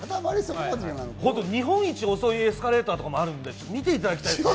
日本一遅いエスカレーターとかもあるんで、見ていただきたいです。